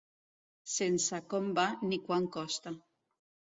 Sense com va ni quant costa.